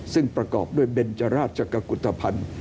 ซึ่งประกอบด้วยเบนจราชกุฏภัณฑ์